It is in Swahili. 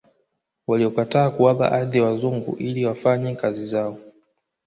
Waliokataa kuwapa ardhi wazungu ili wafanye kazi zao